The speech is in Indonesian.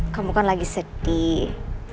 kamu kan lagi sedih